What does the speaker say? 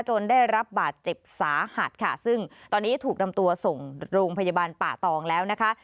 ได้รับบาดเจ็บสาหัสค่ะซึ่งตอนนี้ถูกนำตัวส่งโรงพยาบาลป่าตองแล้วนะคะ